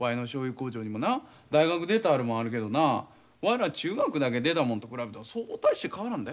工場にもな大学出たあるもんあるけどなわいら中学だけ出たもんと比べてもそう大して変わらんで。